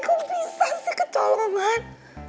kok bisa sih kecolongan